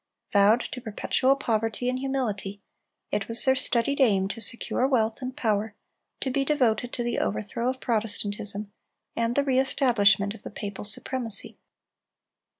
Vowed to perpetual poverty and humility, it was their studied aim to secure wealth and power, to be devoted to the overthrow of Protestantism, and the reestablishment of the papal supremacy.